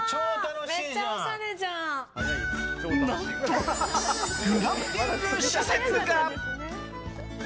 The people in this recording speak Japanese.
何とグランピング施設が。